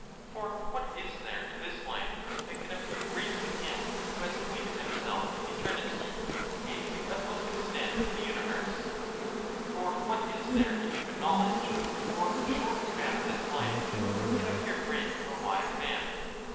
For what is there in this life that can appear great. to him who has acquainted himself with eternity and the utmost extent of the universe? For what is there in human knowledge, or the short span of this life, that can appear great to a wise man?